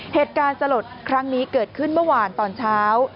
เหตุการณ์สลดครั้งนี้เกิดขึ้นเมื่อวานตอนเช้า